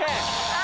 あ！